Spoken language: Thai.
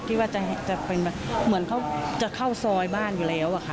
ที่เหมือนเค้าจะเข้าซอยบ้านอยู่แล้วอ่ะค่ะ